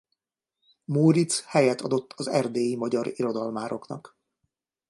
Móricz helyet adott az erdélyi magyar irodalmároknak.